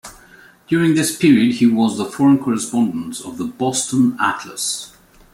During this period he was the foreign correspondent of the "Boston Atlas".